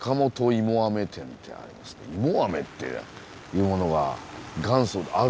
いもあめっていうものが元祖であるんですね。